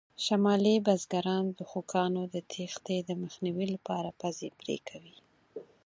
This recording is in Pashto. شمالي بزګران د خوکانو د تېښتې د مخنیوي لپاره پزې پرې کوي.